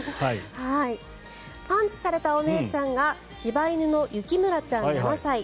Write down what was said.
パンチされたお姉ちゃんが柴犬のゆきむらちゃん、７歳。